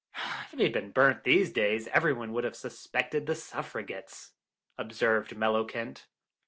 '" "If he had been burnt in these days every one would have suspected the Suffragettes," observed Mellowkent.